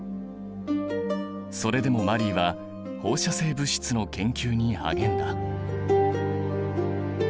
それでもマリーは放射性物質の研究に励んだ。